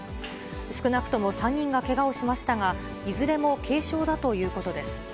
少なくとも３人がけがをしましたが、いずれも軽傷だということです。